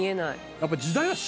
やっぱ。